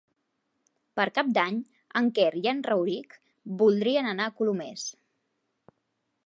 Per Cap d'Any en Quer i en Rauric voldrien anar a Colomers.